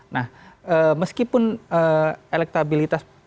nah meskipun elektabilitas